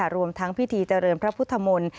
รวมทั้งพิธีเจริญพระพุทธมนตร์